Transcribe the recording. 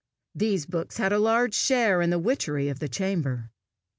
These books had a large share in the witchery of the chamber.